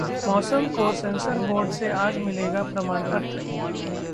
मौसम को censor board से आज मिलेगा प्रमाणपत्र